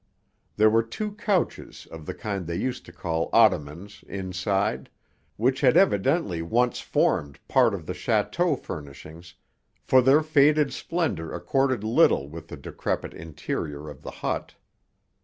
There were two couches of the kind they used to call ottomans inside, which had evidently once formed part of the château furnishings for their faded splendour accorded little with the decrepit interior of the hut.